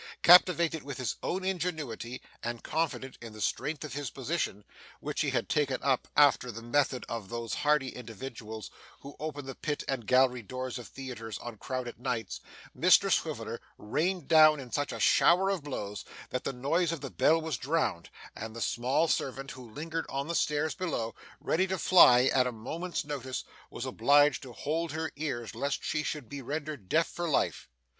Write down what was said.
Captivated with his own ingenuity, and confident in the strength of his position, which he had taken up after the method of those hardy individuals who open the pit and gallery doors of theatres on crowded nights, Mr Swiveller rained down such a shower of blows, that the noise of the bell was drowned; and the small servant, who lingered on the stairs below, ready to fly at a moment's notice, was obliged to hold her ears lest she should be rendered deaf for life.